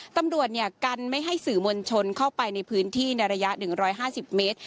ตำรวจกันไม่ให้สื่อมวลชนเข้าไปในพื้นที่ในระยะ๑๕๐เมตร